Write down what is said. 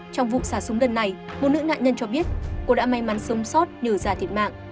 trong vụ xả súng đợt này một nữ nạn nhân cho biết cô đã may mắn sống sót nhờ già thiệt mạng